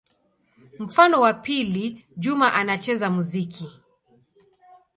Mfano wa pili: Juma anacheza muziki.